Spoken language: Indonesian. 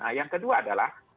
nah yang kedua adalah